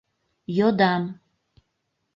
йодам.